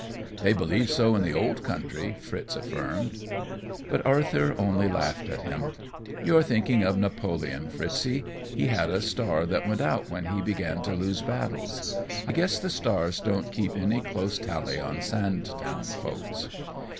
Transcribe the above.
"They believe so in the old country," Fritz affirmed. But Arthur only laughed at him. "You're thinking of Napoleon, Fritzey. He had a star that went out when he began to lose battles. I guess the stars don't keep any close tally on Sandtown folks."